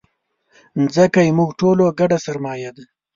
مځکه زموږ ټولو ګډه سرمایه ده.